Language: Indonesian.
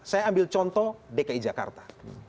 saya ambil contoh dki jakarta